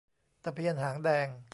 ตะเพียนหางแดง